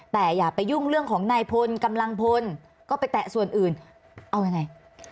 แต่อย่าไปยุ่งเรื่องของนายพลกำลังพลก็ไปแตะส่วนอื่นเอายังไง